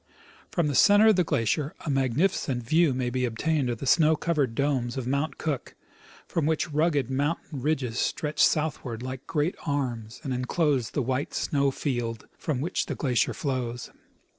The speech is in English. From the center of the glacier a magnificent view may be obtained of the snow covered domes of Mount Cook, from which rugged mountain ridges stretch southward like great arms and enclose the white snow field from which the glacier flows.